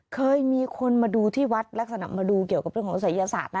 เคยมีคนมาดูที่วัดลักษณะมาดูเกี่ยวกับเรื่องของศัยศาสตร์นะ